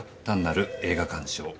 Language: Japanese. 単なる映画鑑賞。